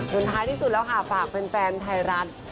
สุดท้ายที่สุดแล้วค่ะฝากเพื่อนไทยรัฐ